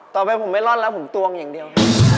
ต่อไปผมไม่ร่อนแล้วผมตวงอย่างเดียว